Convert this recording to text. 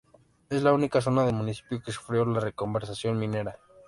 Es la única zona del municipio que sufrió la reconversión minera.